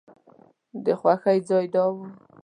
د خوښۍ ځای دا و.